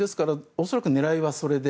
恐らく、狙いはそれで。